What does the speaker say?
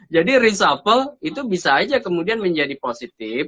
jadi risapel itu bisa aja kemudian menjadi positif